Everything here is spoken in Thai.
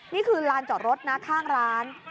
นี่คือลานจอดรถนะข้างร้าน